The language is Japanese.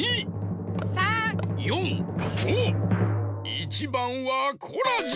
１ばんはコラジ！